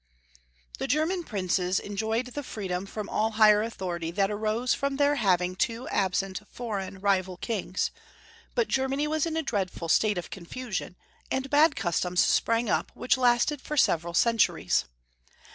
T^HE German princes enjoyed the freedom •* from all higher authority that arose from their having two absent foreign rival kings, but Germany was in a dreadful state of confusion, and bad customs sprang up which lasted for several centuries.